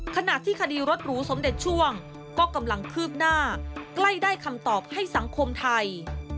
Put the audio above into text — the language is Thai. ขณะที่คดีรถหรูสมเด็จช่วงก็กำลังคืบหน้าใกล้ได้คำตอบให้สังคมไทย